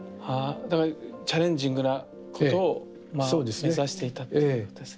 だからチャレンジングなことを目指していたっていうことですね。